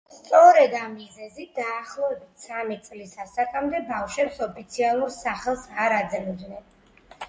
სწორედ ამ მიზეზით, დაახლოებით სამი წლის ასაკამდე ბავშვებს ოფიციალურ სახელს არ აძლევდნენ.